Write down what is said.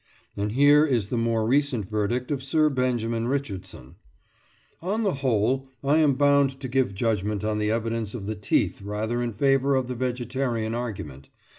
And here is the more recent verdict of Sir Benjamin Richardson: "On the whole, I am bound to give judgment on the evidence of the teeth rather in favour of the vegetarian argument.